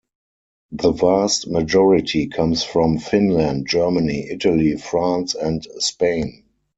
The vast majority comes from Finland, Germany, Italy, France and Spain.